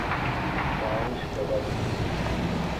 بانجھ خواتین کے